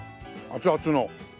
熱々の。